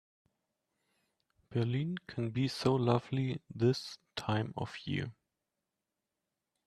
Berlin can be so lovely this time of year.